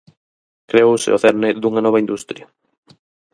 Creouse o cerne dunha nova industria.